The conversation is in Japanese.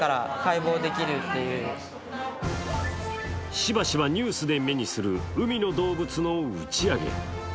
しばしばニュースで目にする、海の動物の打ち上げ。